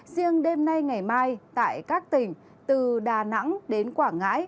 riêng đêm nay ngày mai tại các tỉnh từ đà nẵng đến quảng ngãi